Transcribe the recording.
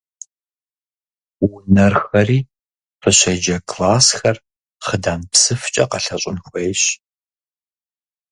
Унэрхэри, фыщеджэ классхэр хъыдан псыфкӀэ къэлъэщӀын хуейщ.